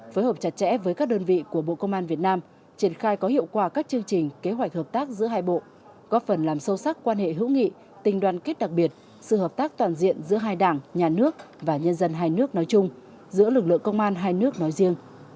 phối hợp chặt chẽ với các đơn vị của bộ công an việt nam triển khai có hiệu quả các chương trình kế hoạch hợp tác giữa hai bộ góp phần làm sâu sắc quan hệ hữu nghị tình đoàn kết đặc biệt sự hợp tác toàn diện giữa hai đảng nhà nước và nhân dân hai nước nói chung giữa lực lượng công an hai nước nói riêng